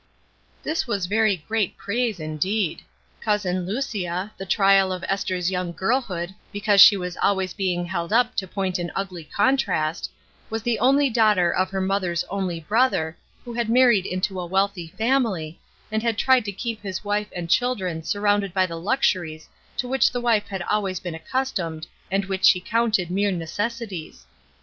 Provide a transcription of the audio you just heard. This was very great praise, indeed. "Cousin Lucia," the trial of Esther's young girlhood be cause she was always being held up to point an ugly contrast, was the only daughter of her mother's only brother who had married into a wealthy family, and had tried to keep his wife and children surrounded by the luxuries to which the wife had always been accustomed and which she counted mere necessities.